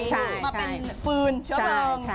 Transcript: ใช่มาเป็นฟืนชะเบิง